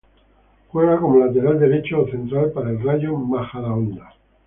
Juega como lateral derecho o central, para el Rayo Majadahonda.